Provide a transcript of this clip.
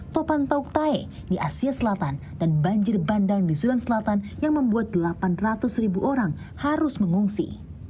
topantauk tai di asia selatan dan banjir bandang di sudana selatan yang membuat delapan ratus orang harus mengungsi